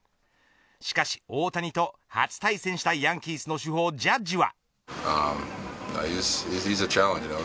しかし大谷と初対戦したヤンキースの主砲ジャッジは。